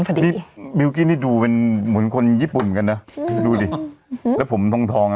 พอดีมิลกี้นี่ดูเป็นเหมือนคนญี่ปุ่นกันเนอะดูดิแล้วผมทองทอง